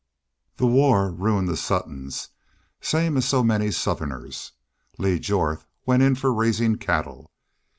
"The war ruined the Suttons, same as so many Southerners. Lee Jorth went in for raisin' cattle.